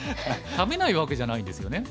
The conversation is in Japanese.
食べないわけじゃないんですよね？